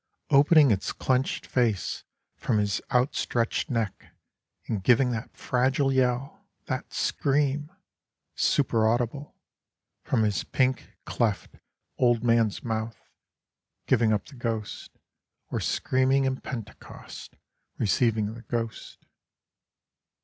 Opening its clenched face from his outstretched neck And giving that fragile yell, that scream, Super audible, From his pink, cleft, old man's mouth, Giving up the ghost, Or screaming in Pentecost, receiving the ghost.